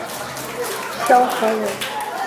萧何人。